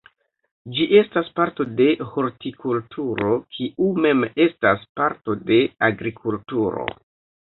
Ĝi estas parto de hortikulturo, kiu mem estas parto de agrikulturo.